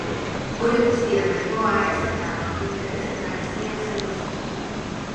Hori guztia nahikoa ez eta, internet garestia zen oso.